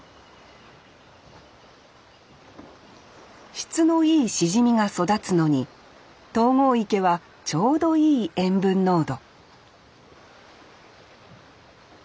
質のいいしじみが育つのに東郷池はちょうどいい塩分濃度